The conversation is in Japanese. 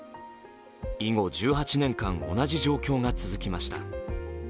以後１８年間、同じ状況が続きました。